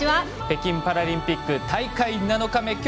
北京パラリンピック大会７日目。